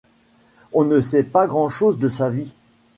On ne sait pas grand-chose de sa vie.